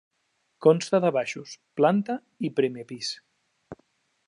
Consta de baixos, planta i primer pis.